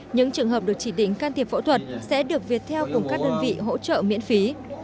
những trường hợp được chỉ định can thiệp phẫu thuật sẽ được việt theo cùng các đơn vị hỗ trợ miễn phí